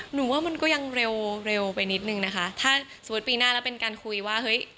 หนูว่ามันก็ยังเร็วเร็วไปนิดนึงนะคะถ้าสมมุติปีหน้าแล้วเป็นการคุยว่าเฮ้ย